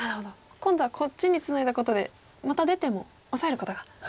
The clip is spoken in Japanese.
今度はこっちにツナいだことでまた出てもオサえることができますか。